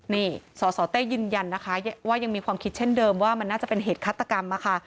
นี่สสเต้ยืนยันนะคะว่ายังมีความคิดเช่นเดิมว่ามันน่าจะเป็นเหตุฆาตกรรมนะคะ